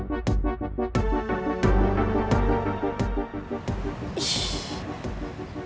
pangeran sama naomi apa sih